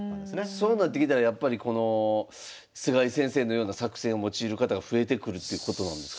そうなってきたらやっぱりこの菅井先生のような作戦を用いる方が増えてくるっていうことなんですか？